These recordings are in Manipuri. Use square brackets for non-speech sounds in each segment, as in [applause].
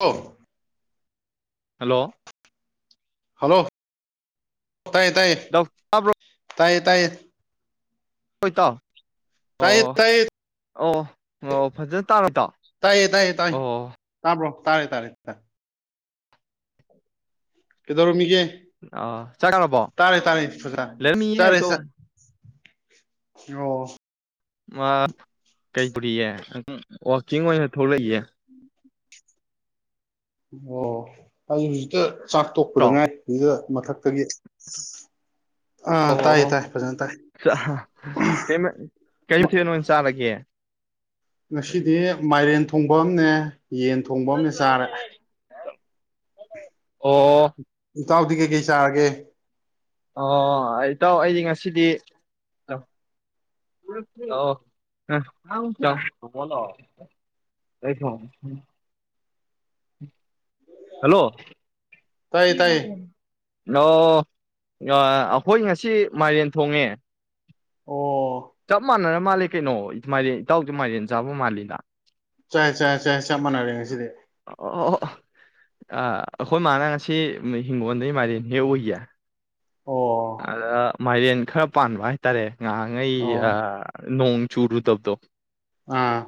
ꯑ ꯍꯜꯂꯣ ꯍꯜꯂꯣ ꯇꯥꯏꯌꯦ ꯇꯥꯏꯌꯦ ꯗꯣꯛꯇꯔꯕ ꯇꯥꯏꯌꯦ ꯇꯥꯏꯌꯦ ꯍꯣꯏ ꯇꯣ ꯑꯣ ꯇꯥꯏꯌꯦ ꯇꯥꯏꯌꯦ ꯑꯣ ꯑꯣ ꯐꯖꯅ ꯇꯥꯔ ꯇꯥ ꯇꯥꯏꯌꯦ ꯇꯥꯏꯌꯦ ꯇꯥꯏ ꯑꯣ ꯇꯥꯕ꯭ꯔꯣ ꯇꯥꯔꯦ ꯇꯥꯔꯦ ꯀꯗꯔꯣꯃꯤꯒꯦ ꯑ ꯆꯠꯕꯣ ꯐꯖ ꯂꯩꯔꯃꯤꯌꯦ ꯆꯥꯔꯦ ꯑꯗꯨꯣ ꯆꯥꯛ ꯑꯣ ꯃꯥ ꯀꯩꯗꯧꯔꯤꯌꯦ ꯋꯥꯛꯀꯤꯡ ꯑꯣꯏꯅ ꯊꯣꯛꯂꯛꯏꯑꯦ [inaudible] ꯑꯣ ꯍꯧꯖꯤꯛꯇ ꯆꯥꯛ ꯇꯣꯛꯄꯗ ꯏꯇꯥꯎ ꯉꯥꯏ ꯑꯗꯨꯗ ꯃꯊꯛ ꯑꯥ ꯑꯣ ꯇꯥꯏ ꯑꯣ ꯇꯥꯏ ꯐꯖꯅ ꯇꯥꯏ ꯆꯥ ꯀꯩ ꯃ ꯀꯩ ꯃꯊꯦꯜ ꯑꯣꯏꯅ ꯆꯥꯔꯒꯦ ꯅꯁꯤꯗꯦ ꯃꯥꯥꯏꯔꯦꯟ ꯊꯨꯡꯐꯝꯅꯦ ꯑꯣ ꯏꯇꯥꯎꯗꯤ ꯀꯩꯀꯩ ꯆꯥꯔꯒꯦ ꯑꯣ ꯏꯇꯥꯎ ꯑꯩꯗꯤ ꯉꯁꯤꯗꯤ ꯣ [inaudible] ꯎꯝ ꯍꯜꯂꯣ ꯇꯥꯏꯌꯦ ꯇꯥꯏꯌꯦ ꯀ ꯑꯣꯏ ꯑꯣ ꯑꯩꯈꯣꯏ ꯉꯁꯤ ꯃꯥꯏꯔꯦꯟ ꯊꯣꯡꯉꯦ ꯑꯣ ꯀꯃ ꯃꯥꯅꯅ ꯃꯥꯂꯦ ꯀꯩꯅꯣ ꯃꯥꯏꯔꯦꯟ ꯏꯇꯥꯎꯗꯤ ꯃꯥꯏꯔꯦꯟ ꯆꯥꯕ ꯃꯥꯜꯂꯤꯗ ꯆꯥꯏ ꯆꯥꯏ ꯆꯥꯏ ꯆꯞ ꯃꯥꯟꯅꯔꯦ ꯉꯁꯤꯗꯤ ꯑ ꯑꯩꯈꯣꯏ ꯃꯥꯟꯅꯁꯤ ꯍꯤꯡꯒꯣꯟꯗꯩ ꯃꯔꯤꯅꯦ ꯑꯣꯏꯌꯥ ꯑꯣ ꯑꯗ ꯃꯥꯏꯔꯦꯟ ꯈꯔ ꯄꯥꯟꯕ ꯍꯥꯏꯇꯥꯔꯦ ꯉꯥꯡꯉꯩ ꯑꯣ ꯅꯣꯡ ꯆꯨꯔꯨ ꯗꯥꯕꯗꯣ ꯑꯥ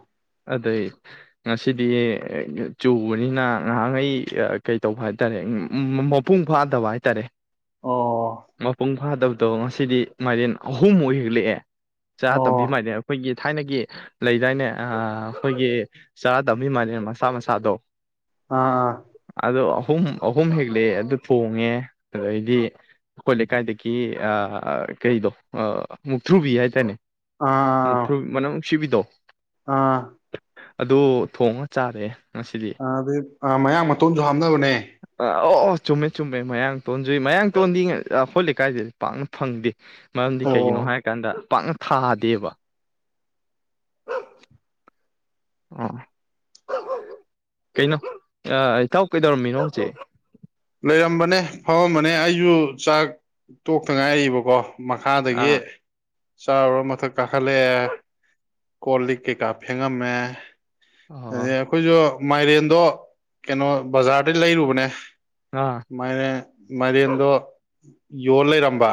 ꯑꯗꯩ ꯉꯁꯤꯗꯤ ꯆꯨꯕꯅꯤꯅ ꯉꯍꯥꯛꯈꯩ ꯀꯩꯇꯧꯕ ꯍꯥꯏꯇꯥꯔꯦ ꯃꯄꯨꯡ ꯐꯥꯗꯕ ꯍꯥꯏꯇꯥꯔꯦ ꯑꯣ ꯃꯄꯨꯡ ꯐꯥꯗꯕꯗꯣ ꯉꯁꯤꯗꯤ ꯃꯥꯏꯔꯦꯟ ꯑꯍꯨꯝ ꯑꯣꯏ ꯍꯦꯛꯂꯛꯑꯦ ꯆꯥ ꯑꯣ ꯇꯝꯕꯤꯃꯥꯏꯅꯦ ꯑꯩꯈꯣꯏꯒꯤ ꯊꯥꯏꯅꯒꯤ ꯂꯩꯗꯥꯏꯅꯦ ꯑꯩꯈꯣꯏꯒꯤ ꯆꯔꯥ ꯇꯝꯃꯤꯃꯅꯤ ꯃꯁꯥ ꯃꯁꯥꯗꯣ ꯑꯥ ꯑꯥ ꯑꯍꯨꯝ ꯑꯍꯨꯝ ꯍꯦꯛꯂꯛꯑꯦ ꯑꯗꯨ ꯊꯣꯡꯉꯦ ꯑꯗꯨꯗꯩꯗꯤ ꯑꯩꯈꯣꯏ ꯂꯩꯀꯥꯏꯗꯒꯤ ꯀꯩꯗꯣ ꯃꯨꯛꯇ꯭ꯔꯨꯕꯤ ꯍꯥꯏꯇꯥꯔꯅꯦ ꯑꯥ ꯑꯥ ꯃꯊ ꯃꯅ ꯁꯤꯕꯤꯗꯣ ꯑꯥ ꯑꯗꯣ ꯊꯣꯡꯉ ꯆꯥꯔꯦ ꯉꯁꯤꯗꯤ ꯑ ꯑꯗꯨꯩ ꯃꯌꯥꯡ ꯃꯇꯣꯟꯁꯨ ꯍꯥꯞꯅꯕꯅꯦ ꯑꯥ ꯑꯣ ꯑꯣ ꯆꯨꯝꯃꯦ ꯆꯨꯝꯃꯦ ꯃꯌꯥꯡ ꯇꯣꯟꯖꯨꯏ ꯃꯌꯥꯡ ꯇꯣꯟꯗꯤꯉꯦ ꯑꯩꯈꯣꯏ ꯂꯩꯀꯥꯏꯁꯤꯗꯤ ꯄꯥꯛꯅ ꯐꯪꯗꯦ ꯃꯔꯝꯗꯤ ꯀꯩꯒꯤꯅꯣ ꯑꯣ ꯍꯥꯏꯔꯀꯥꯟꯗ ꯄꯥꯛꯅ ꯊꯥꯗꯦꯕ ꯑ ꯀꯩꯅꯣ ꯏꯇꯥꯎ ꯀꯩꯗꯧꯔꯝꯃꯤ ꯅꯣꯁꯦ ꯂꯩꯔꯝꯕꯅꯦ ꯐꯃꯝꯕꯅꯦ ꯑꯩꯁꯨ ꯆꯥꯛ ꯇꯣꯛꯇ ꯉꯥꯏꯕꯀꯣ ꯃꯈꯥꯗꯒꯤ ꯑꯥ ꯆꯥꯔꯨꯔ ꯃꯊꯛ ꯀꯥꯈꯠꯂꯛꯑꯦ ꯀꯣꯜ ꯂ ꯀ ꯀꯥꯄꯤꯤꯒ ꯃ ꯑꯣ ꯑꯗꯩ ꯑꯩꯈꯣꯏꯁꯨ ꯃꯥꯏꯔꯦꯟꯗꯣ ꯀꯩꯅꯣ ꯕꯖꯥꯔꯗꯩ ꯂꯩꯔꯨꯕꯅꯦ ꯑꯥ ꯃꯅꯦ ꯃꯔꯤꯑꯗꯣ ꯌꯣ ꯂꯩꯔꯝꯕ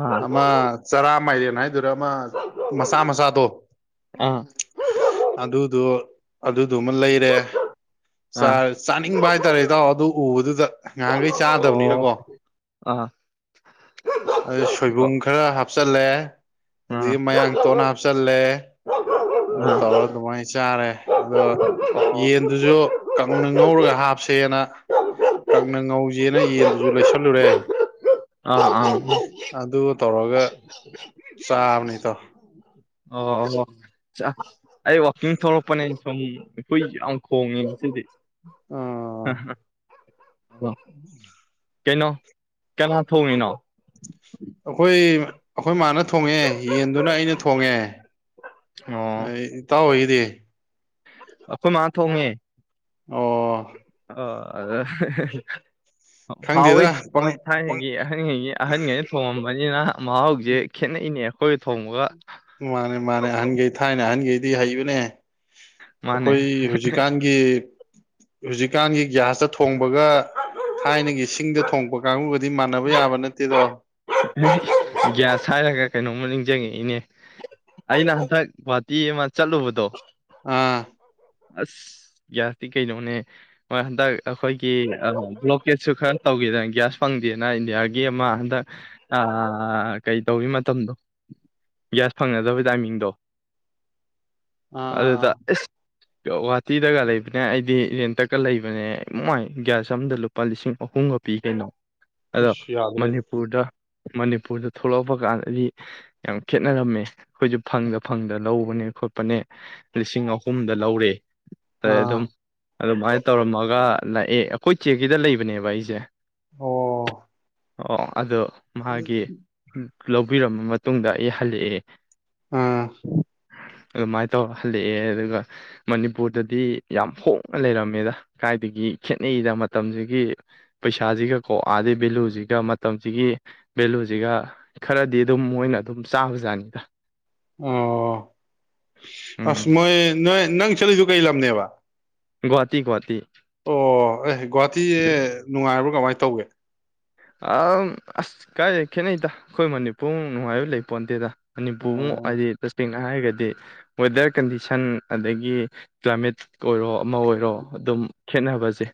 ꯑꯥ ꯑꯃ ꯆꯔꯥ ꯑꯃꯥꯏꯗꯅ ꯑꯗꯨꯗꯨꯔ ꯑꯃ ꯃꯆꯥ ꯃꯆꯥꯗꯣ ꯑꯥ ꯑꯗꯨꯗꯣ ꯑꯗꯨ ꯑꯗꯨꯃ ꯂꯩꯔꯦ ꯑꯥ ꯆꯥꯅꯤꯡꯕ ꯍꯥꯏꯇꯥꯔꯦ ꯏꯇꯥꯎ ꯑꯗꯨ ꯎꯕꯗꯨꯗ ꯉꯍꯥꯟꯈꯩ ꯑꯣ ꯆꯥꯗꯕꯅꯤꯅꯀꯣ ꯑꯥ ꯑꯗꯨ ꯑꯣ ꯁꯣꯏꯕꯨꯝ ꯈꯔ ꯑꯣꯞꯁꯟꯂꯦ ꯑꯗꯨꯗꯒꯤ ꯑ ꯃꯌꯥꯡ ꯇꯣꯟꯠꯅ ꯑ ꯍꯥꯞꯆꯜꯂꯦ ꯑꯗꯨ ꯇꯧꯔ ꯑꯗꯨꯃꯥꯏꯅ ꯆꯥꯔꯦ ꯑꯗꯣ ꯌꯦꯟꯗꯨꯁꯨ ꯀꯪꯅ ꯉꯧꯔꯒ ꯍꯥꯞ ꯁꯦꯅ ꯀꯪꯅ ꯉꯧꯖꯦꯅ ꯌꯦꯟꯗꯨꯁꯨ ꯂꯩꯁꯜꯂꯨꯔꯦ ꯑꯥ ꯑ ꯑꯗꯨꯒ ꯆꯥꯕꯅꯤꯗꯣ ꯑꯣ ꯑꯣ ꯑꯩ ꯋꯥꯀꯤꯡ ꯊꯧꯔꯛ ꯄꯅꯦ ꯁꯨꯝ ꯑꯩꯈꯣꯏ ꯌꯥꯝ ꯈꯣꯡꯉꯦ ꯁꯤꯗꯤ ꯑ ꯀꯩꯅꯣ ꯀꯅꯥ ꯊꯣꯡꯅꯤꯅꯣ ꯑꯩꯈꯣꯏ ꯑꯩꯈꯣꯏ ꯃꯥꯅ ꯊꯣꯡꯉꯦ ꯌꯦꯟꯗꯨꯅ ꯑꯩꯅ ꯊꯣꯡꯉꯦ ꯑꯣ ꯏꯇꯥꯎ ꯍꯒꯤꯗꯤ [unintelligible] ꯑꯩꯈꯣꯏ ꯃꯥ ꯊꯣꯡꯉꯦ ꯑꯣ ꯑꯣ ꯍꯥꯎꯋꯤ ꯈꯪꯗꯦꯗ ꯄꯪ ꯃꯣꯏ ꯄꯪ ꯊꯥꯏꯅꯉꯩꯒꯤ ꯑꯍꯟꯈꯩꯒꯤ ꯑꯍꯟꯈꯩ ꯊꯣꯡꯉꯝꯕ ꯃꯅꯤꯅ ꯃꯥ ꯍꯧꯖꯤꯛꯁꯦ ꯈꯦꯠꯅꯩꯅꯦ ꯑꯩꯈꯣꯏ ꯊꯣꯡꯉꯒ ꯃꯥꯅꯦ ꯃꯥꯅꯦ ꯑꯍꯟꯈꯩ ꯊꯥꯏꯅ ꯑꯍꯟꯈꯩꯗꯤ ꯍꯩꯕꯅꯦ ꯃꯥꯅꯦ ꯑꯩꯈꯣꯏ ꯍꯧꯖꯤꯛꯀꯥꯟꯒꯤ ꯍꯧꯖꯤꯛ ꯀꯥꯟꯒꯤ ꯒ꯭ꯌꯥꯁꯇ ꯊꯣꯡꯕꯒ ꯊꯥꯏꯅꯒꯤ ꯁꯤꯡꯗ ꯊꯣꯡꯕ ꯀꯥꯡꯕꯨ ꯑꯗꯨ ꯃꯥꯟꯅꯕ ꯌꯥꯕ ꯅꯠꯇꯦꯗꯣ ꯒ꯭ꯌꯥꯁ ꯍꯥꯏꯔꯒ ꯀꯩꯅꯣꯝꯃ ꯅꯤꯡꯁꯤꯡꯉꯛꯏꯅꯦ ꯑꯩꯅ ꯍꯟꯗꯛ ꯒꯨꯍꯥꯇꯤ ꯑꯃ ꯆꯠꯂꯨꯕꯗꯣ ꯑꯥ ꯑꯁ ꯒ꯭ꯌꯥꯁꯇꯤ ꯀꯩꯅꯣꯅꯦ ꯍꯣꯏ ꯍꯟꯗꯛ ꯑꯩꯈꯣꯏꯒꯤ ꯕ꯭ꯂꯣꯀꯦꯠꯁꯨ ꯈꯔ ꯇꯧꯒꯦꯗꯅ ꯒ꯭ꯌꯥꯁ ꯐꯪꯗꯦꯅ ꯏꯟꯗꯤꯌꯥꯒꯤ ꯑꯃ ꯍꯟꯗꯛ ꯀꯩ ꯇꯧꯋꯤ ꯃꯇꯝꯗꯣ ꯒ꯭ꯌꯥꯁ ꯐꯪꯅꯗꯕ ꯇꯥꯏꯃꯤꯡꯗꯣ ꯑꯥ ꯑꯗꯨꯗ ꯑꯥ ꯒꯨꯍꯥꯇꯤꯗꯒ ꯂꯩꯕꯅꯦ ꯑꯩꯗꯤ ꯔꯦꯟꯇꯀ ꯂꯩꯕꯅꯦ ꯃꯣꯏ ꯒ꯭ꯌꯥꯁ ꯑꯝꯗ ꯂꯨꯄꯥ ꯂꯤꯁꯤꯡ ꯑꯍꯨꯝꯒ ꯄꯤ ꯀꯩꯅꯣ ꯑꯗꯣ ꯑꯁ ꯌꯥꯗ꯭ꯔꯦ ꯃꯅꯤꯄꯨꯔꯗ ꯃꯅꯤꯄꯨꯔꯗ ꯊꯣꯛꯂꯛꯄ ꯀꯥꯟꯗꯗꯤ ꯌꯥꯝ ꯈꯦꯠꯅꯔꯝꯃꯦ ꯑꯩꯈꯣꯏꯁꯨ ꯐꯪꯗ ꯐꯪꯗ ꯂꯧꯕꯅꯦ ꯈꯣꯠꯄꯅꯦ ꯂꯤꯁꯤꯡ ꯑꯍꯨꯝꯗ ꯂꯧꯔꯦ ꯑ ꯑꯦ ꯑꯥ ꯑꯗꯨꯝ ꯑꯗꯨꯃꯥꯏꯅ ꯇꯧꯔꯝꯃꯒ ꯂꯥꯛꯑꯦ ꯑꯩꯈꯣꯏ ꯆꯦꯀꯤꯗ ꯂꯩꯕꯅꯦꯕ ꯑꯩꯁꯦ ꯑꯣ ꯑꯣ ꯑꯗꯣ ꯃꯥꯒꯤ ꯂꯧꯄꯤꯔꯃ ꯃꯇꯨꯡꯗ ꯑꯩ ꯍꯜꯂꯛꯑꯦ ꯑꯥ ꯎꯝ ꯑꯗꯨꯃꯥꯏꯅ ꯇꯧ ꯍꯜꯂꯛꯑꯦ ꯑꯗꯨꯒ ꯃꯅꯤꯄꯨꯔꯗꯗꯤ ꯌꯥꯝ ꯍꯣꯡꯅ ꯂꯩꯔꯝꯃꯦꯗ ꯀꯥꯏꯗꯒꯤ ꯈꯦꯠꯅꯩꯗ ꯃꯇꯝꯁꯤꯒꯤ ꯄꯩꯁꯥꯁꯤꯒ ꯀꯣꯛ ꯑꯥꯗꯩ ꯚꯦꯂꯨꯁꯤꯒ ꯃꯇꯝꯁꯤꯒꯤ ꯚꯦꯂꯨꯁꯤꯒ ꯈꯔꯗꯤ ꯑꯗꯨꯝ ꯃꯣꯏꯅ ꯑꯗꯨꯝ ꯆꯥꯕꯖꯥꯠꯅꯤꯗ ꯑꯣ ꯎꯝ ꯑꯁꯃꯣꯏ ꯅꯣꯏ ꯅꯪ ꯆꯂꯤꯗꯨꯨ ꯀꯩ ꯂꯝ ꯑꯅꯦ ꯑꯦꯕ ꯒꯨꯍꯥꯇꯤ ꯒꯨꯍꯥꯇꯤ ꯑꯦ ꯒꯨꯍꯥꯇꯤꯁꯦ ꯅꯨꯡꯉꯥꯏꯕ꯭ꯔꯣ ꯀꯃꯥꯏꯅ ꯇꯧꯒꯦ ꯑ ꯑꯁ ꯀꯥꯏ ꯈꯦꯠꯅꯩꯗ ꯑꯩꯈꯣꯏ ꯃꯅꯤꯄꯨꯔ ꯅꯨꯡꯉꯥꯏꯕ ꯂꯩꯄꯣꯟꯇꯦꯗ ꯑꯅꯤꯄꯨꯔꯃꯨꯛ ꯑꯣ ꯑꯗꯤ ꯂꯁ ꯅ ꯍꯥꯏꯔꯒꯗꯤ ꯋꯦꯗꯔ ꯀꯟꯗꯤꯁꯟ ꯑꯗꯒꯤ ꯀ꯭ꯂꯥꯏꯃꯦꯠ ꯑꯣꯏꯔꯣ ꯑꯃ ꯑꯣꯏꯔꯣ ꯑꯗꯨꯝ ꯈꯦꯠꯅꯕꯁꯦ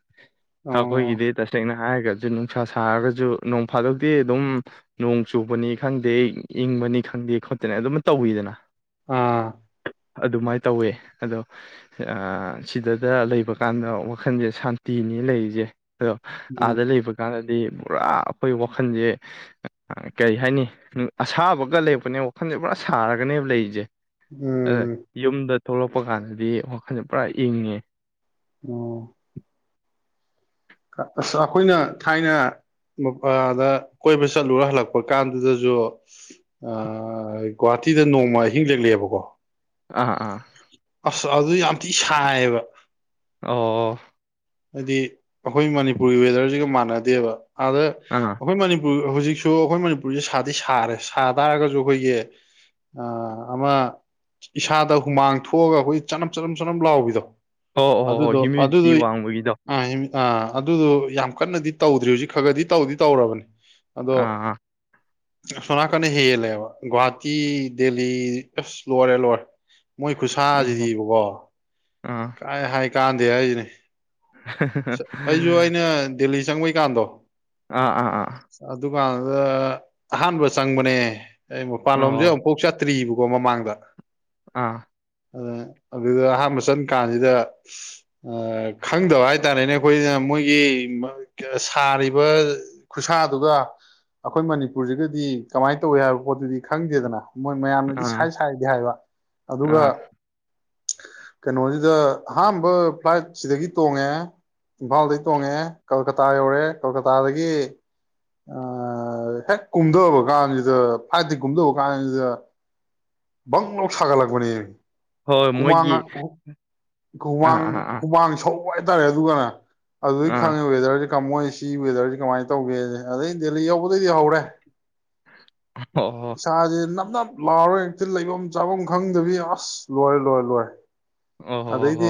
ꯍ ꯑꯣ ꯑꯩꯈꯣꯏꯒꯤꯗꯤ ꯇꯁꯦꯡꯅ ꯍꯥꯏꯒꯠ ꯑꯗꯩꯩ ꯅꯨꯡꯁꯥ ꯁꯥꯔꯒꯁꯨ ꯅꯣꯡ ꯐꯥꯗꯣꯛꯇꯤ ꯑꯗꯨꯝ ꯅꯣꯡ ꯆꯨꯕꯅꯤ ꯈꯪꯗꯦ ꯏꯪꯕꯅꯤ ꯈꯪꯗꯦ ꯈꯣꯠꯇꯦ ꯑꯗꯨꯝ ꯇꯧꯋꯤꯗꯅ ꯑꯥ ꯑꯗꯨꯃꯥꯏꯅ ꯇꯧꯋꯦ ꯑꯗꯣ ꯁꯤꯗꯗ ꯂꯩꯕ ꯀꯥꯟꯗ ꯋꯥꯈꯟꯁꯦ ꯁꯥꯟꯇꯤꯅꯤ ꯂꯩꯔꯤꯁꯦ ꯑꯗ ꯎꯝ ꯂꯩꯕ ꯀꯥꯟꯗꯗꯤ ꯄꯨꯔꯥ ꯑꯩꯈꯣꯏ ꯋꯥꯈꯜꯁꯦ ꯀꯔꯤ ꯍꯥꯏꯅꯤ ꯑꯁꯥꯕꯒ ꯂꯩꯔꯛꯄꯅꯦ ꯋꯥꯈꯜꯁꯦ ꯄꯨꯔꯥ ꯁꯥꯔꯒꯅꯦꯕ ꯂꯩꯁꯦ ꯑꯗ ꯎꯝ ꯌꯨꯝꯗ ꯊꯣꯛꯂꯛꯄ ꯀꯥꯟꯗꯗꯤ ꯋꯥꯈꯜꯁꯦ ꯄꯨꯔꯥ ꯏꯪꯉꯦ ꯑꯣ ꯑꯁ ꯑꯩꯈꯣꯏꯅ ꯊꯥꯏꯅꯗ ꯀꯣꯏꯕ ꯆꯠꯂꯨꯔ ꯍꯜꯂꯛꯄ ꯀꯥꯟꯗꯨꯗꯁꯨ ꯒꯨꯍꯥꯇꯤꯗ ꯅꯣꯡꯃ ꯑꯍꯤꯡ ꯂꯦꯛꯂꯛꯑꯦꯕꯀꯣ ꯑꯥ ꯑꯥ ꯑꯁ ꯑꯗꯨ ꯌꯥꯝ ꯊꯤ ꯁꯥꯌꯦꯕ ꯑꯣ ꯍꯥꯏꯗꯤ ꯑꯩꯈꯣꯏ ꯃꯅꯤꯄꯨꯔꯒꯤ ꯋꯦꯗꯔꯁꯤꯒ ꯃꯥꯟ ꯗꯦꯕ ꯑꯗ ꯑꯥ ꯑꯩꯈꯣꯏ ꯃꯅꯤꯄꯨꯔ ꯍꯧꯖꯤꯛꯁꯨ ꯑꯩꯈꯣꯏ ꯃꯅꯤꯄꯨꯔꯁꯦ ꯁꯥꯗꯤ ꯁꯥꯔꯦ ꯁꯥ ꯇꯥꯔꯒꯁꯨ ꯑꯩꯈꯣꯏꯒꯤ ꯑꯃ ꯏꯁꯥꯗ ꯍꯨꯃꯥꯡ ꯊꯣꯛꯑꯒ ꯑꯩꯈꯣꯏꯒꯤ ꯆꯅꯝ ꯆꯅꯝ ꯆꯅꯝ ꯂꯥꯎꯕꯤꯗꯣ ꯑꯣ ꯍꯣ ꯍꯣ ꯍꯌ꯭ꯨ ꯃꯤꯗꯤꯇꯤ ꯋꯥꯡꯕ ꯑ ꯑꯥ ꯑꯗꯨꯗꯣ ꯌꯥꯝ ꯀꯟꯅꯗꯤ ꯇꯧꯗ꯭ꯔꯤ ꯍꯧꯖꯤꯛ ꯈꯔ ꯈꯗꯤ ꯇꯧꯗꯤ ꯇꯧꯔꯕꯅꯤ ꯑꯗꯣ ꯑꯥ ꯑꯥ ꯑꯁꯣꯟꯅꯥꯀꯟꯅ ꯍꯦꯜꯂꯦꯕ ꯒꯨꯍꯥꯇꯤ ꯗꯦꯜꯂꯤ ꯑꯁ ꯂꯣꯏꯔꯦ ꯂꯣꯏꯔꯦ ꯃꯣꯏ ꯑꯣ ꯈꯨꯠꯁꯥꯁꯤꯗꯤꯕꯀꯣ ꯑꯥ ꯀꯥꯏ ꯍꯥꯏꯀꯥꯟꯗ ꯗꯦ ꯍꯥꯏꯁꯤꯅꯦ ꯑꯩꯁꯨ ꯑꯩꯅ ꯗꯦꯜꯂꯤ ꯆꯪꯕꯩꯀꯥꯟꯗꯣ ꯑꯥ ꯑꯥ ꯑꯥ ꯀꯥꯟꯗ ꯑꯍꯥꯟꯕ ꯆꯪꯕꯅꯦ ꯑꯩ ꯃꯄꯥꯟꯂꯣꯝꯁꯦ ꯑꯣ ꯑꯃꯨꯛꯐꯥꯎ ꯆꯠ ꯇ꯭ꯔꯤꯕꯀꯣꯃꯃꯥꯡꯗ ꯑꯥ ꯑ ꯑꯗꯨꯗ ꯑꯍꯥꯟꯕ ꯆꯪ ꯀꯥꯟꯁꯤꯗ ꯈꯪꯗꯕ ꯍꯥꯏꯔ ꯍꯥꯏꯇꯥꯔꯦꯅꯦ ꯑꯩꯈꯣꯏꯅ ꯃꯣꯏꯒꯤ ꯁꯥꯔꯤꯕ ꯈꯨꯠꯁꯥꯗꯨꯒ ꯑꯩꯈꯣꯏ ꯃꯅꯤꯄꯨꯔꯁꯤꯒꯗꯤ ꯀꯃꯥꯏꯅ ꯇꯧꯏ ꯍꯥꯏꯕ ꯄꯣꯠꯇꯨꯗꯤ ꯈꯪꯗꯦꯗꯅ ꯃꯣꯏ ꯃꯌꯥꯝꯅꯗꯤ ꯑꯥ ꯁꯥꯏ ꯁꯥꯏꯗꯤ ꯍꯥꯏꯕ ꯑꯗꯨꯒ ꯑꯥ ꯀꯩꯅꯣꯁꯤꯗ ꯑꯍꯥꯟꯕ ꯐ꯭ꯂꯥꯏꯠ ꯁꯤꯗꯒꯤ ꯇꯣꯡꯉꯦ ꯏꯝꯐꯥꯜꯗꯒꯤ ꯇꯣꯡꯉꯛꯑꯦ ꯀꯜꯀꯇꯥ ꯌꯧꯔꯦ ꯀꯜꯀꯇꯥꯗꯒꯤ ꯍꯦꯛ ꯀꯨꯝꯊꯕ ꯀꯥꯟꯁꯤꯗ ꯐ꯭ꯂꯥꯏꯠꯇꯤ ꯀꯨꯝꯊꯕ ꯀꯥꯟꯁꯤꯗ ꯕꯪ ꯂꯥꯎ ꯁꯥꯒꯠꯂꯛꯄꯅꯦꯃꯤ ꯍꯣꯏ ꯍꯨꯃꯥꯡ ꯃꯣꯏꯒꯤ ꯍꯨꯃ ꯑꯥ ꯑꯥ ꯑꯥ ꯍꯨꯃꯥꯡ ꯁꯧ ꯑꯣꯗ [inaudible] ꯕ [unintelligible] ꯑꯗꯨꯗꯤ ꯑꯥ ꯈꯪꯉꯦ ꯋꯦꯗꯔꯗꯤ ꯀꯝꯃꯣꯏ ꯁꯤ ꯋꯦꯗꯔꯁꯤ ꯀꯃꯥꯏ ꯇꯧꯒꯦ ꯑꯗꯩ ꯗꯦꯜꯂꯤ ꯌꯧꯕ ꯗꯩꯩꯗꯤ ꯍꯧꯔꯦ ꯑꯣ ꯍꯣ ꯏꯁꯥꯁꯦ ꯅꯞꯅꯞ ꯂꯥꯛꯔꯣꯏ ꯑꯛꯇꯤ ꯂꯩꯐꯝ ꯆꯥꯐꯝ ꯈꯪꯗꯕꯤ ꯑꯁ ꯂꯣꯏꯔꯦ ꯂꯣꯏꯦ ꯂꯣꯏꯔꯦ ꯑꯣ ꯍꯣ ꯑꯗꯩꯗꯤ ꯍꯣ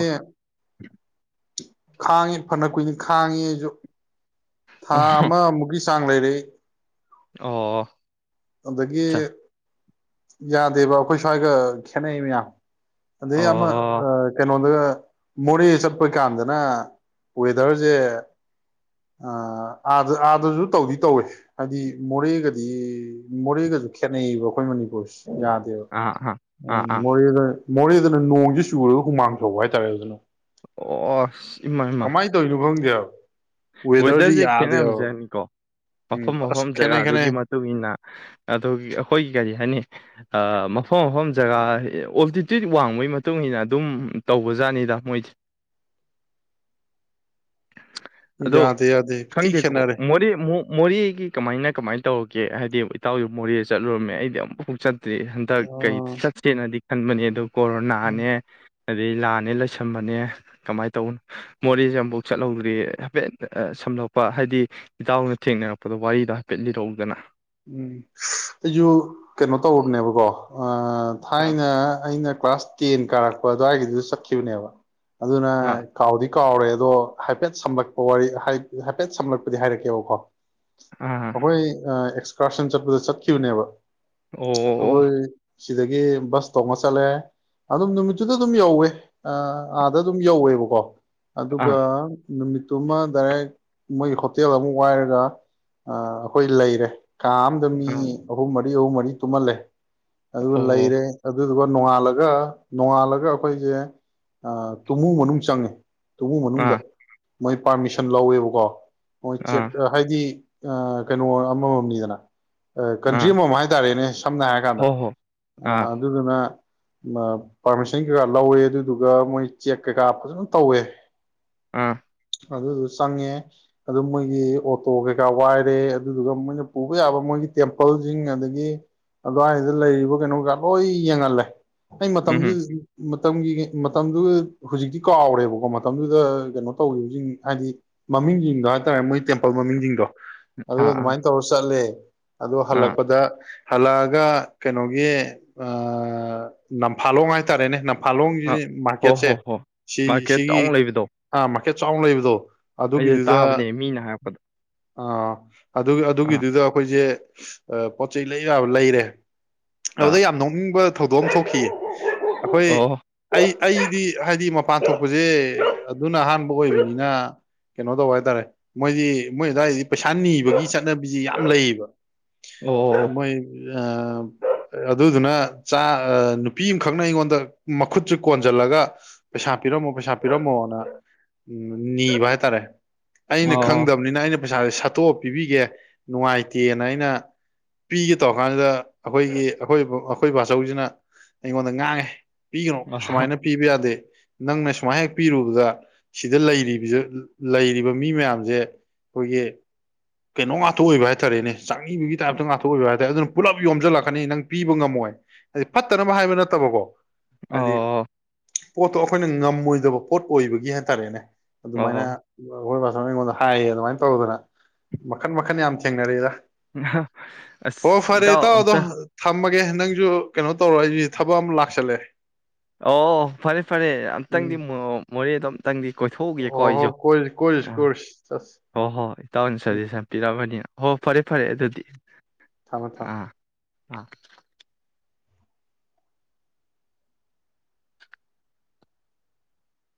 ꯈꯥꯡꯉꯤ ꯐꯅ ꯀꯨꯏꯅꯤ ꯈꯥꯡꯉꯤꯁꯨ ꯊꯥ ꯑꯣ ꯑꯃꯃ ꯃꯨꯒ ꯆꯥꯡ ꯂꯩꯔ ꯑꯣ ꯑꯗꯒꯤ ꯑꯠꯆꯥ ꯌꯥꯗꯦꯕ ꯑꯩꯈꯣꯏ ꯁ꯭ꯋꯥꯏꯒ ꯈꯦꯠꯅꯩꯌꯦ ꯃꯌꯥꯝ ꯑꯗ ꯑꯣ ꯌꯥꯝꯃ ꯑꯥ ꯀꯩꯅꯣ ꯑꯗꯨꯒ ꯃꯣꯔꯦ ꯆꯠꯄ ꯀꯥꯟꯗꯅ ꯋꯦꯗꯔꯁꯦ ꯑꯥꯗ ꯑꯥꯗꯁꯨ ꯇꯧꯗꯤ ꯇꯧꯋꯦ ꯍꯥꯏꯗꯤ ꯃꯣꯔꯦꯒꯗꯤ ꯃꯣꯔꯦꯒꯁꯨ ꯈꯦꯠꯅꯩꯕ ꯑꯩꯈꯣꯏ ꯃꯅꯤꯄꯨꯔ ꯄꯨꯁ ꯌꯥꯗꯕ ꯑꯥ ꯎ ꯑꯥ ꯑꯥ ꯃꯣꫪꯦꯗ ꯃꯣꯔꯦꯗꯅ ꯅꯣꯡꯁꯤ ꯆꯨꯔꯒ ꯍꯨꯃꯥꯡ ꯁꯧꯕ ꯍꯥꯏꯇꯥꯔꯦ ꯑꯗꯨꯅ ꯑꯣ ꯏꯃꯥ ꯏꯃꯥ ꯀꯃꯥꯏꯅ ꯇꯧꯔꯤꯅꯣ [inaudible] ꯋꯦꯗꯔꯁꯤ ꯋꯦꯗꯔꯁꯦ ꯌꯥꯗꯦꯕ ꯈꯦꯠꯅꯕꯖꯥꯠꯅꯤꯀꯣ ꯎꯝ ꯃꯐꯝ ꯑꯁ ꯃꯐꯝ ꯈꯦꯠꯅꯩ ꯖꯒꯥꯗꯨꯒꯤ ꯈꯦꯠꯅꯩ ꯃꯇꯨꯡ ꯃꯇꯨꯡꯏꯟꯅ ꯑꯗꯨ ꯑꯩꯈꯣꯏꯒꯤ ꯀꯔꯤ ꯍꯥꯏꯅꯤ ꯃꯐꯝ ꯃꯐꯝ ꯖꯒꯥ ꯑꯣꯞꯗꯤꯇꯤ ꯋꯥꯡꯕꯒꯤ ꯃꯇꯨꯡ ꯏꯟꯅ ꯑꯗꯨꯝ ꯇꯧꯕꯖꯥꯠꯅꯤꯗ ꯃꯣꯏꯁꯤ ꯑꯗꯣ ꯌꯥꯗꯦ ꯌꯥꯗꯦ ꯊꯤ ꯈꯪꯗꯦꯀꯣ ꯈꯦꯠꯅꯔꯦ ꯃꯣꯔꯦ ꯃꯣꯔꯦꯒꯤ ꯀꯃꯥꯏꯅ ꯀꯃꯥꯏꯅ ꯇꯧ ꯒꯦ ꯍꯥꯏꯗꯤ ꯏꯇꯥꯎꯒꯤ ꯃꯣꯔꯦ ꯆꯠꯂꯨꯔꯃꯦ ꯑꯩꯗꯤ ꯑꯃꯨꯛꯐꯨ ꯆꯠ ꯗꯤ ꯍꯟꯗꯛ ꯑ ꯀꯩ ꯆꯠꯁꯦꯅꯗꯤ ꯈꯟꯕꯅꯤ ꯑꯗꯨꯝ ꯀꯣꯔꯣꯅꯥꯅꯦ ꯑꯗꯩ ꯂꯥꯟꯅꯦ ꯂꯩꯁꯤꯟꯕꯅꯦ ꯀꯃꯥꯏꯅ ꯇꯧꯅꯣ ꯃꯣꯔꯦꯁꯦ ꯑꯃꯨꯐꯥꯎ ꯆꯠꯍꯧꯗ꯭ꯔꯤ ꯍꯥꯏꯐꯦꯠ ꯁꯝꯂꯞꯄ ꯍꯥꯏꯗꯤ ꯏꯇꯥꯎꯅ ꯊꯦꯡꯅꯔꯛꯄꯗꯣ ꯋꯥꯔꯤꯗꯣ ꯍꯥꯏꯐꯦꯠ ꯂꯤꯔꯛꯎꯗꯅ ꯎꯝ ꯑꯩꯁꯨ ꯀꯩꯅꯣ ꯇꯧꯅꯦꯕꯀꯣ ꯑꯥ ꯑꯥ ꯊꯥꯏꯅ ꯑꯩꯅ ꯀ꯭ꯂꯥꯁ ꯇꯦꯟ ꯀꯥꯔꯛꯄ ꯑꯗꯨꯋꯥꯏꯒꯤꯗꯨ ꯆꯠꯈꯤꯕꯅꯦꯕ ꯑꯗꯨꯅ ꯑꯥ ꯀꯥꯎꯗꯤ ꯀꯥꯎꯔꯦ ꯑꯗꯣ ꯍꯥꯏꯐꯦꯠ ꯁꯝꯂꯛꯄ ꯋꯥꯔꯤ ꯍꯥꯏꯐꯦꯠ ꯁꯝꯂꯛꯄꯗꯤ ꯍꯥꯏꯔꯛꯀꯦꯕꯀꯣ ꯑꯥ ꯑꯩꯈꯣꯏ ꯑ ꯀꯁꯟ ꯆꯠꯄꯗ ꯆꯠꯈꯤꯕꯅꯦꯕ ꯑꯣ ꯑꯩꯈꯣꯏ ꯁꯤꯗꯒꯤ ꯕꯁ ꯇꯣꯡꯉ ꯆꯠꯂꯦ ꯑꯗꯨꯝ ꯅꯨꯃꯤꯠꯇꯨꯗ ꯑꯗꯨꯝ ꯌꯧꯋꯦ ꯑꯥꯗ ꯑꯗꯨꯝ ꯌꯧꯋꯦꯕꯀꯣ ꯑꯥ ꯑꯗꯨꯒ ꯅꯨꯃꯤꯠꯇꯨꯃ ꯗꯥꯏꯔꯦꯛ ꯃꯣꯏꯒꯤ ꯍꯣꯇꯦꯜ ꯑꯃꯨꯛ ꯋꯥꯏꯔꯒ ꯑꯩꯈꯣꯏ ꯂꯩꯔꯦ ꯀꯥ ꯑꯃꯗ ꯃꯤ ꯑꯥ ꯑꯍꯨꯝ ꯃ ꯃꯤ ꯑꯍꯨꯝ ꯃꫪꯤ ꯇꯨꯝꯃꯜꯂꯦ ꯑꯗꯨ ꯑꯣ ꯂꯩꯔꯦ ꯑꯗꯨ ꯑꯗꯨꯒ ꯅꯣꯡꯉꯥꯜꯂꯒ ꯅꯣꯡꯉꯥꯜꯂꯒ ꯑꯩꯈꯣꯏꯁꯦ ꯇꯨꯃꯨ ꯃꯅꯨꯡ ꯆꯪꯉꯦ ꯇꯨꯃꯨꯡ ꯃꯅꯨꯡꯗ ꯑꯥ ꯃꯣꯏ ꯄꯥꯔꯃꯤꯁꯟ ꯂꯧꯋꯦꯕꯀꯣ ꯃꯣꯏ ꯑꯥ ꯆꯦꯛ ꯍꯥꯏꯗꯤ ꯑ ꯀꯩꯅꯣ ꯑꯃꯃꯝꯅꯤꯗꯅ [unintelligible] ꯀꯟꯇ꯭ꯔꯤ ꯑꯥ ꯑꯃꯃꯝ ꯍꯥꯏꯇꯥꯔꯦꯅꯦ ꯁꯝꯅ ꯍꯥꯏꯔꯀꯥꯟꯗ ꯍꯣ ꯍꯣ ꯑꯥ ꯑꯗꯨꯗꯨꯅ ꯄꯥꯔꯃꯤꯁꯟ ꯀꯩꯀꯥ ꯂꯧꯋꯦ ꯑꯗꯨꯗꯨꯒ ꯃꯣꯏ ꯆꯦꯛ ꯀꯩꯀꯥ ꯐꯖꯅ ꯇꯧꯋꯦ ꯑꯥ ꯑꯗꯨꯗꯨ ꯆꯪꯉꯦ ꯑꯗꯨ ꯃꯣꯏꯒꯤ ꯑꯣꯇꯣ ꯀꯩꯀꯥ ꯋꯥꯏꯔꯦ ꯑꯗꯨꯗꯨꯒ ꯃꯣꯏꯅ ꯄꯨꯕ ꯌꯥꯕ ꯃꯣꯏꯒꯤ ꯇꯦꯝꯄꯜꯁꯤꯡ ꯑꯗꯒꯤ ꯑꯗꯨꯋꯥꯏꯗ ꯂꯩꯔꯤꯕ ꯀꯩꯅꯣ ꯀꯩꯀ ꯂꯣꯏ ꯌꯦꯡꯍꯜꯂꯦ ꯑꯩ ꯎꯝ ꯃꯇꯝꯗꯨꯗꯗꯤ ꯃꯇꯝꯒꯤ ꯃꯇꯝꯗꯨ ꯍꯧꯖꯤꯛꯇꯤ ꯀꯥꯎꯔꯦꯕꯀꯣ ꯃꯇꯝꯗꯨꯗ ꯀꯩꯅꯣ ꯇꯧꯈꯤꯕꯁꯤꯡ ꯍꯥꯏꯗꯤ ꯃꯃꯤꯡꯁꯤꯡꯗꯣ ꯍꯥꯏꯇꯥꯔꯦ ꯃꯣꯏ ꯇꯦꯝꯄꯜ ꯃꯃꯤꯡꯁꯤꯡꯗꯣ ꯑꯗꯨ ꯑꯥ ꯑꯥ ꯑꯗꯨꯃꯥꯏ ꯇꯧꯔ ꯐ꯭ꯂꯦ ꯑꯗ ꯑꯥ ꯍꯜꯂꯛꯄꯗ ꯍꯜꯂꯛꯑꯒ ꯀꯩꯅꯣꯒꯤ ꯅꯝꯐꯥꯂꯣꯡ ꯍꯥꯏꯇꯥꯔꯦꯅꯦ ꯑꯥ ꯐꯥꯂꯣꯡꯁꯤ ꯍꯣ ꯍꯣ ꯃꯥꯔꯀꯦꯠꯁꯦ ꯍꯣ ꯁꯤ ꯃꯥꯔꯀꯦꯠ ꯆꯥꯎꯅ ꯁꯤꯒꯤ ꯂꯩꯕꯗꯣ ꯑꯥ ꯆꯥꯎꯅ ꯂꯩꯕꯗꯣ ꯑꯩꯁꯦ ꯑꯗꯨꯒꯤꯗꯨꯗ ꯇꯥꯕꯅꯦ ꯃꯤꯅ ꯍꯥꯏꯔꯛꯄꯗ ꯑꯥ ꯑꯗꯨ ꯑꯗꯨꯒꯤ ꯑꯥ ꯑꯩꯈꯣꯏꯁꯦ ꯄꯣꯠ ꯆꯩꯩ ꯂꯩ ꯌꯥꯕ ꯂꯩꯔꯦ ꯑꯗꯨꯗ ꯑꯥ ꯌꯥꯝ ꯅꯣꯛꯅꯤꯡꯕ ꯊꯧꯗꯣꯛ ꯑꯃ ꯊꯣꯛꯈꯤꯌꯦ ꯑꯩꯈꯣꯏ ꯑꯣ ꯑꯩ ꯑꯩꯗꯤ ꯍꯥꯏꯗꯤ ꯃꯄꯥꯟ ꯊꯣꯛꯄꯁꯦ ꯑꯗꯨꯅ ꯑꯍꯥꯟꯕ ꯑꯣꯏꯕꯅꯤꯅ ꯀꯩꯅꯣ ꯇꯧꯕ ꯍꯥꯏꯇꯥꯔꯦ ꯃꯣꯏꯗꯤ ꯃꯣꯏ ꯑꯗꯨꯋꯥꯏꯗꯤ ꯄꯩꯁꯥ ꯅꯤꯕꯒꯤ ꯆꯠꯅ ꯌꯥꯝ ꯂꯩꯌꯦꯕ ꯑꯣ ꯃꯣꯏ ꯑꯗꯨ ꯑꯗꯨꯅ ꯆꯥ ꯅꯨꯄꯤ ꯑꯃꯈꯛꯅ ꯑꯩꯉꯣꯟꯗ ꯃꯈꯨꯠꯁꯤ ꯀꯣꯟꯁꯤꯜꯂꯒ ꯄꯩꯁꯥ ꯄꯤꯔꯝꯃꯣ ꯄꯩꯁꯥ ꯄꯤꯔꯝꯃꯣꯅ ꯎꯝ ꯅꯤꯕ ꯍꯥꯏꯇꯥꯔꯦ ꯑꯩꯅ ꯑꯣ ꯈꯪꯗꯕꯅꯤꯅ ꯑꯩꯅ ꯄꯩꯁꯥꯥꯁꯦ ꯁꯠꯇꯣꯛꯑ ꯄꯤꯕꯤꯒꯦ ꯅꯨꯡꯉꯥꯏꯇꯦꯅ ꯑꯩꯅ ꯄꯤꯒꯦ ꯇꯧꯔ ꯀꯥꯟꯁꯤꯗ ꯑꯩꯈꯣꯏꯒꯤ ꯑꯩꯈꯣꯏ ꯑꯩꯈꯣꯏ ꯕꯥꯆꯧꯁꯤꯅ ꯑꯩꯉꯣꯟꯗ ꯉꯥꯡꯉꯦ ꯄꯤꯒꯅꯣ ꯁꯨꯃꯥꯏꯅ ꯄꯤꯕ ꯌꯥꯗꯦ ꯅꯪꯅ ꯁꯨꯃꯥꯏꯅ ꯍꯦꯛ ꯄꯤꯔꯨꯕꯗ ꯁꯤꯗ ꯂꯩꯔꯤꯕ ꯂꯩꯔꯤꯕ ꯃꯤ ꯃꯌꯥꯝꯁꯦ ꯑꯩꯈꯣꯏꯒꯤ ꯀꯩꯅꯣ ꯉꯥꯛꯇ ꯉꯥꯊꯣꯛꯑꯣꯏꯕ ꯍꯥꯏꯇꯥꯥꯔꯦꯅꯦ ꯆꯪꯤꯕꯒꯤ ꯇꯥꯏꯞꯇ ꯉꯥꯛꯊꯣꯛꯏꯕ ꯍꯥꯏ ꯇꯔꯦ ꯑꯗꯨꯅ ꯄꯨꯂꯞ ꯌꯣꯝꯁꯤꯜꯂꯛꯀꯅꯤ ꯅꯪ ꯄꯤꯕ ꯉꯝꯃꯣꯏ ꯍꯥꯏꯗꯤ ꯐꯠꯇꯅꯕ ꯍꯥꯏꯕ ꯅꯠꯇꯕꯀꯣ ꯑꯗ ꯑꯣ ꯄꯣꯠꯇꯣ ꯑꯩꯈꯣꯏꯅ ꯉꯝꯃꯣꯏꯗꯕ ꯄꯣꯠ ꯑꯣꯏꯕꯒꯤ ꯍꯥꯏꯇꯥꯔꯦꯅꯦ ꯑꯗꯨꯃꯥꯏꯅ ꯑꯣ ꯑꯩꯈꯣꯏ ꯑꯩꯉꯣꯟꯗ ꯍꯥꯏꯌꯦ ꯑꯗꯨꯃꯥꯏꯅ ꯇꯧꯗꯅ ꯃꯈꯟ ꯃꯈ ꯃꯈꯈꯟꯅ ꯌꯥꯝ ꯊꯦꯡꯅꯔꯦꯗꯥ ꯑ ꯑꯁ ꯏꯇꯥꯎ ꯏꯇꯥꯎꯗꯣ ꯑꯝꯇ [unintelligible] ꯅꯪꯁꯨ ꯀꯩꯅꯣ ꯇꯧꯔꯣ ꯑꯩꯁꯤ ꯊꯕꯛ ꯑꯃ ꯂꯥꯛꯁꯜꯂꯦ ꯑꯣ ꯐꯔꯦ ꯐꯔꯦ ꯎꯝ ꯑꯝꯇꯪꯗꯤ ꯃꯣꯔꯦꯗꯣ ꯑꯝꯇꯪꯗꯤ ꯀꯣꯏꯊꯣꯛꯎꯒꯦꯀꯣ ꯍꯣ ꯍꯣ ꯑꯩꯁꯨ ꯀꯣꯏꯔꯨꯁꯤ ꯀꯣꯏꯔꯨꯁꯤ ꯑ ꯀꯣꯏꯔꯨꯁꯤ ꯆꯠꯁꯤ ꯍꯣꯏ ꯍꯣꯏ ꯏꯇꯥꯎꯟ ꯁꯖꯦꯁꯟ ꯄꯤꯔꯝꯃꯅꯤꯅ ꯍꯣ ꯐꯔꯦ ꯐꯔꯦ ꯎꯝ ꯑꯗꯨꯗꯤ ꯊꯝꯃꯦ ꯊꯝꯃꯦ ꯑꯥ ꯑꯥ